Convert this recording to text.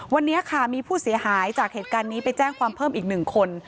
วันนี้ค่ะมีผู้เสียหายจากเหตุการณ์นี้ไปแจ้งความเพิ่มอีก๑คน